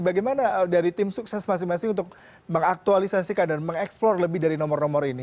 bagaimana dari tim sukses masing masing untuk mengaktualisasikan dan mengeksplor lebih dari nomor nomor ini